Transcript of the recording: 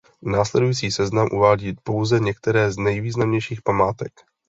Následující seznam uvádí pouze některé z nejvýznamnějších památek.